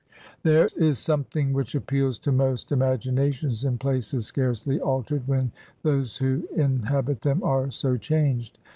There is something which appeals to most imagina tions in places scarcely altered, when those who in habit them are so changed.